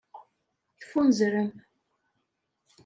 Teffunzrem.